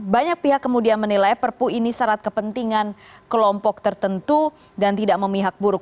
banyak pihak kemudian menilai perpu ini syarat kepentingan kelompok tertentu dan tidak memihak buruk